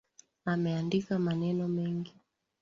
Ameandika maneno mengi